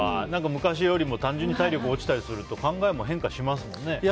昔よりも単純に体力落ちたりすると考えも変化しますよね。